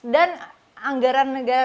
dan anggaran negara